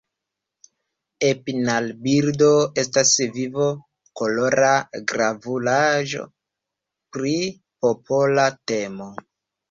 Epinal-bildo estas viv-kolora gravuraĵo pri popola temo.